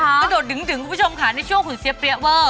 กระโดดดึงคุณผู้ชมค่ะในช่วงของเสียเปรี้ยเวอร์